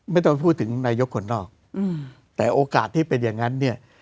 ไม่ต้องพูดถึงนายกคนนอกแต่โอกาสที่เป็นอย่างนั้นเนี่ย